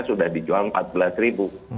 sudah dijual rp empat belas